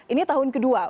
ini tahun kedua